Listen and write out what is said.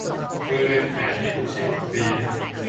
บริเวณแขนที่ถูกฉีดวัคซีน